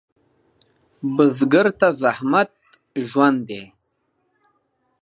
بزګر ته زحمت ژوند دی